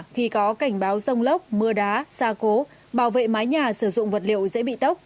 khi có cảnh báo rông lốc mưa đá xa cố bảo vệ mái nhà sử dụng vật liệu dễ bị tốc